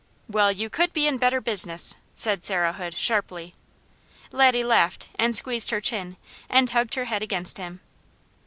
"Well, you could be in better business," said Sarah Hood sharply. Laddie laughed and squeezed her chin, and hugged her head against him.